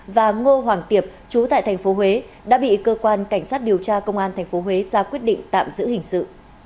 và ngô hoàng tiệp trú tại thành phố huế đã bị cơ quan cảnh sát điều tra công an thành phố huế ra quyết định tạm giữ hình sự